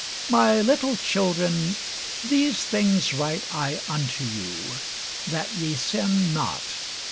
My little children, these things write I unto you, that ye sin not.